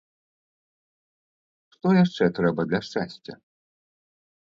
Што яшчэ трэба для шчасця?